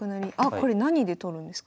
これ何で取るんですか？